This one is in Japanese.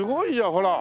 ほら。